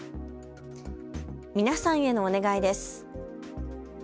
皆さんへのお願いです。